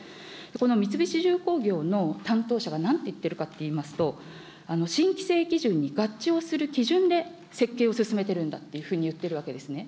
この三菱重工業の担当者がなんて言っているかと言いますと、新規制基準に合致する基準で設計を進めてるんだと言ってるわけですね。